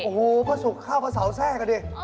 โอ้โหพ่อสุกข้าวพ่อเสาแทรกอะดิ